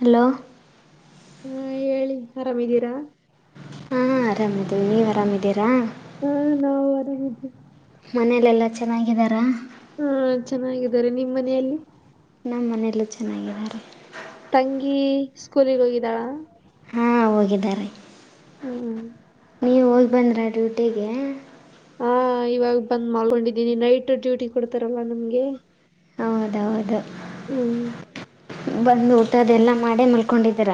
Hello ಹ್ಮ್ ಹೇಳಿ ಆರಾಮಿದೀರಾ. ಹಾ ಆರಾಮಿದಿವಿ ನೀವು ಆರಾಮಿದ್ದೀರಾ. ಹ್ಮ್ ನಾವು ಆರಾಮ್ ಇದ್ದೀರಿ. ಮನೇಲೆಲ್ಲಾ ಚೆನ್ನಾಗಿದಾರ. ಹ್ಮ್ ಚೆನ್ನಾಗಿದ್ದಾರೆ ನಿಮ್ಮ್ ಮನೆಯಲ್ಲಿ ನಮ್ಮ ಮನೆಯಲ್ಲೂ ಚೆನ್ನಾಗಿದ್ದಾರೆ. ತಂಗಿ ಸ್ಕೂಲಿಗೆ ಹೋಗಿದ್ದಾಳ. ಹ್ಮ್ ಹೋಗಿದಾರೆ. ಹ್ಮ. ನೀವ ಹೋಗಿ ಬಂದ್ರ ಡ್ಯೂಟಿಗೆ. ಹಾ ಇವಾಗ ಬಂದ್ ಮಾಲ್ಕೊಂದ್ದೀನಿ ನೈಟ್ ಡ್ಯೂಟಿ ಕೊಡ್ತಾರಲ್ಲ ನಮ್ಗೆ. ಹೌದೌದು. ಹ್ಮ್. ಬಂದು ಊಟ ಅದೆಲ್ಲಾ ಮಾಡೇ ಮಲ್ಕೊಂಡಿದೀರ.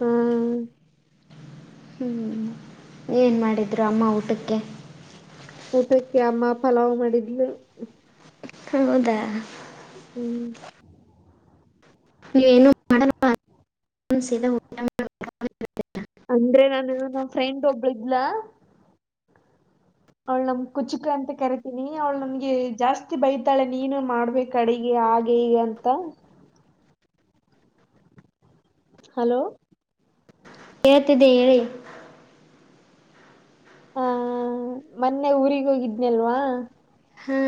ಹ್ಮ್. ಹ್ಞೂ ಏನ್ ಮಾಡಿದ್ರು ಅಮ್ಮ ಊಟಕ್ಕೆ. ಊಟಕ್ಕೆ ಅಮ್ಮ ಪಲಾವ್ ಮಾಡಿದ್ಲು. ಹೌದಾ. ಹ್ಮ್. [unintelligible] ಅಂದ್ರೆ ನಾನ ನಮ್ಮ್ ಫ್ರೆಂಡ್ ಒಬ್ಳ ಇದ್ಲಾ. ಅವಳು ನಮ್ ಕುಚುಕು ಅಂತ ಕರಿತೀನಿ ಅವ್ಳು ನಮಗೆ ಜಾಸ್ತಿ ಬೈತಾಳೆ. ನೀನ ಮಾಡ್ಬೇಕ ಕಡಿಗೆ ಹಾಗೆ ಹೀಗೆ ಅಂತ. ಹಲೋ. ಕೇಳ್ತದೆ ಹೇಳಿ. ಹಾ ಮೊನ್ನೆ ಊರಿಗೆ ಹೋಗಿದ್ನಿ ಅಲ್ವಾ. ಹಾ.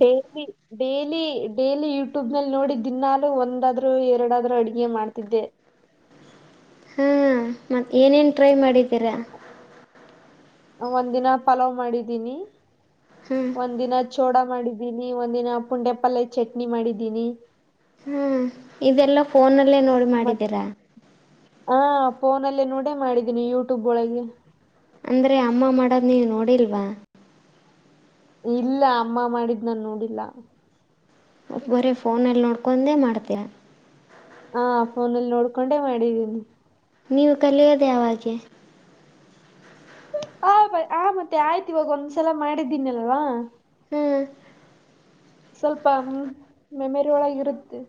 ಡೇಲಿ. ಡೇಲಿ ಡೇಲಿ ಯೂಟ್ಯೂಬ್ ನಲ್ಲಿ ನೋಡಿ ದಿನಾಲು ಒಂದಾದ್ರು ಎರಡದ್ರು ಅಡ್ಗೆ ಮಾಡ್ತಿದ್ದೆ. ಹಾ ಮತ್ ಏನೇನ್ ಟ್ರೈ ಮಾಡಿದ್ದೀರಾ. ಒಂದ್ ದಿನ ಪಲಾವ್ ಮಾಡಿದ್ದೀನಿ. ಹ್ಮ್. ಒಂದಿನ ಚೋಡ ಮಾಡಿದ್ದೀನಿ ಒಂದಿನ ಪುಂಡೆ ಪಲ್ಯ ಚಟ್ನಿ ಮಾಡಿದ್ದೀನಿ. ಹ್ಮ್ ಇದೆಲ್ಲ ಫೋನ್ ಅಲ್ಲೇ ನೋಡಿ ಮತ್ತ್ ಮಾಡಿದ್ದೀರಾ. ಹಾ ಫೋನಲ್ಲಿೇ ನೋಡೇ ಮಾಡಿದ್ದೀನಿ ಯೂಟ್ಯೂಬ್ ಒಳಗೆ. ಅಂದ್ರೆ ಅಮ್ಮ ಮಾಡೋದು ನೀವು ನೋಡಿಲ್ವಾ. ಇಲ್ಲ ಅಮ್ಮ ಮಾಡಿದ್ನ ನಾನ್ ನೋಡಿಲ್ಲ. ಬರೇ ಫೋನಲ್ಲಿ ನೋಡ್ಕೊಂಡದೆ ಮಾಡ್ತೀಯಾ. ಹಾ ಫೋನಲ್ಲಿ ನೋಡ್ಕೊಂಡೆ ಮಾಡಿದ್ದೀನಿ. ನೀವು ಕಲಿಯೋದೆೇ ಯಾವಾಗೆ. ಆ ಬಾ ಆ ಮತ್ತೆ ಆಯ್ತ ಇವಾಗ ಒಂದ್ಸಲ ಮಾಡಿದ್ದೀನಿ ಅಲ್ವಾ. ಹ್ಮ್. ಸ್ವಲ್ಪ ಮೇಮ್ರೀ ಒಳಗ ಇರುತ್ತೆ.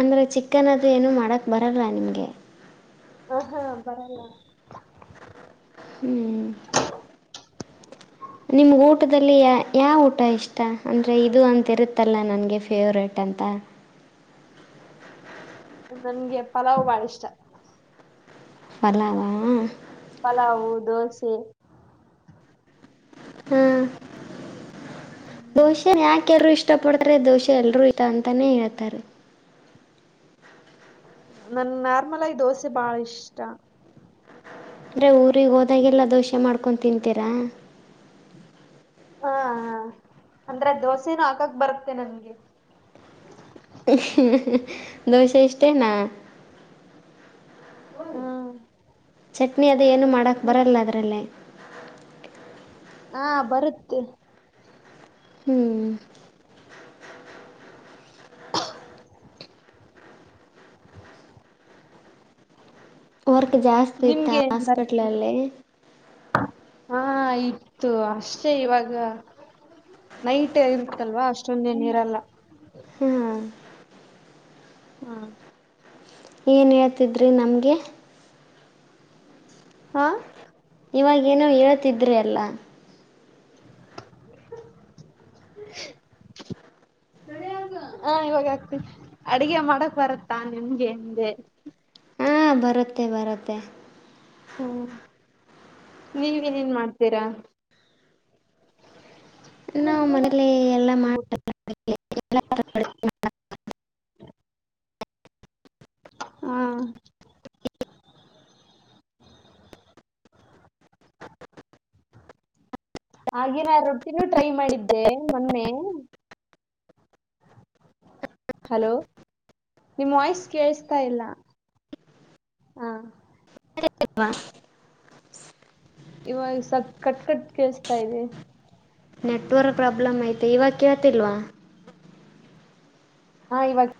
ಅಂದ್ರೆ ಚಿಕನ್ ಅದು ಏನ ಮಾಡಕ್ ಬರಲ್ಲ ನಿಮ್ಗೆ. ಹಾ ಹಾ ಬರಲ್ಲ. ಹ್ಮ್. ನಿಮ್ಗೆ ಊಟದಲ್ಲಿ ಯ ಯಾವ ಊಟ ಇಷ್ಟ ಅಂದ್ರೆ ಇದು ಅಂತರುತ್ತಲ್ಲ ನನಗೆ ಫೇವ್ರೇಟ್ ಅಂತ. ನನ್ಗೆ ಪಲಾವ್ ಬಾಳ್ ಇಷ್ಟ. ಪಲಾವ್ ಹಾ. ಪಲಾವು, ದೋಸೆ. ಹಾ ದೋಶೇ. ಯಾಕ ಎಲ್ರು ಇಷ್ಟ ಪಡ್ತಾರೆ ದೋಷೆ ಎಲ್ಲರೂ ಇ ಅಂತಾನೇ ಹೇಳ್ತಾರೆ. ನನ್ ನಾರ್ಮಲ್ ಆಗಿ ದೋಸೆ ಬಾಳ ಇಷ್ಟ. ಅಂದರೆ ಊರಿಗೆ ಹೋದಾಗೆಲ್ಲ ದೋಸೆ ಮಾಡ್ಕೊಂಡ ತಿಂತೀರಾ. ಹಾ ಹ ಅಂದ್ರೆ ದೋಸೆನು ಹಾಕಕ್ ಬರುತ್ತೆ ನನ್ಗೆ. ಹೂ ಹೂ ದೋಸೆ ಇಷ್ಟೇನಾ. ಹ್ಮ. ಚಟ್ನಿ ಅದು ಏನು ಮಾಡೋಕ್ಕ ಬರಲ್ಲ ಅದರಲ್ಲಿ. ಹಾ ಬರುತ್ತೆ. ಹ್ಮ್. ವರ್ಕ್ ಜಾಸ್ತಿ ಇತ್ತ ನಿಮ್ಗೆ ಏನ್ ಬರುತ್ತೆ ಹಾಸ್ಪಿಟಲಲ್ಲಿ. ಹಾ ಇತ್ತು ಅಷ್ಟೆ ಇವಾಗ. ನೈಟ್ ಇರುತ್ತಲ್ವಾ ಅಷ್ಟೊಂದೇನೀರಲ್ಲ. ಹ್ಮ್. ಹಾ. ಏನು ಹೇಳ್ತಿದ್ರಿ ನಮ್ಗೆ. ಹಾ. ಇವಾಗೇನೋ ಹೇಳ್ತಿದ್ರಿ ಅಲ್ಲಾ. [inaudible] ಆ ಇವಾಗ ಆಗ್ತತೈತೆ ಅಡ್ಗೇ ಮಾಡಕ್ ಬರತ್ತಾ ನಿಮ್ಗೆ ಅಂದೇ. ಹಾ ಬರತ್ತೆ ಬರುತ್ತೆ. ಹ್ಮ ನೀವ ಏನ್ ಏನ್ ಮಾಡ್ತೀರಾ. [inaudible] ನಾ ಮನೇಲಿ ಎಲ್ಲಾ. ಹೋಗ್ಬಿಟ್ಟು. [unintelligible] ಹಾ. [inaudible] ಹಾಗೆ ನಾ ರೊಟ್ಟಿನೂ ಟ್ರೈ ಮಾಡಿದ್ದೆ ಮೊನ್ನೆ. ಹಲೋ ನಿಮ್ಮ್ ವಾಯ್ಸ್ ಕೇಳಸ್ತ ಇಲ್ಲ ಹ. [inaudible] ಇವಾಗ ಸ್ವಲ್ಪ ಕಟ್ ಕಟ್ ಕೇಳಸ್ತಾ ಇದೆ. ನೆಟ್ವರ್ಕ್ ಪ್ರಾಬ್ಲಮ್ ಐತೆ ಇವಾಗ ಕೇಳ್ತಿಲ್ವಾ. ಹಾ ಇವ್ಗ